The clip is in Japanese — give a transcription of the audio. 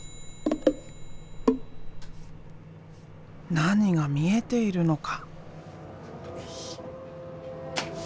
何が見えているのか？